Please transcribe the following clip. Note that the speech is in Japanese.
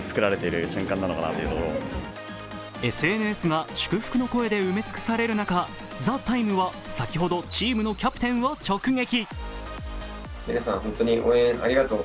ＳＮＳが祝福の声で埋め尽くされる中「ＴＨＥＴＩＭＥ，」は先ほどチームのキャプテンを直撃。